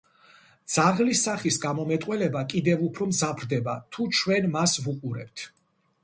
ძაღლის სახის გამომეტყველება კიდევ უფრო მძაფრდება, თუ ჩვენ მას ვუყურებთ.